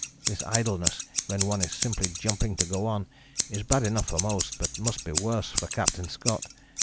This idleness when one is simply jumping to go on is bad enough for most, but must be worse for Captain Scott.